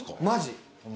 マジ。